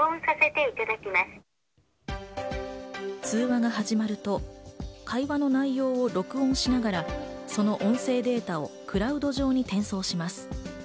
通話が始まると、会話の内容を録音しながら、その音声データをクラウド上に転送します。